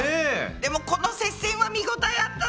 でもこの接戦は見応えあったな。